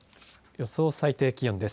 予想最低気温です。